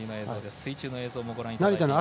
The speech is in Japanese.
水中の映像もご覧いただいています。